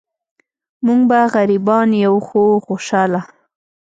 مونږ به غریبان یو خو خوشحاله.